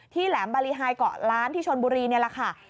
แหลมบารีไฮเกาะล้านที่ชนบุรีนี่แหละค่ะ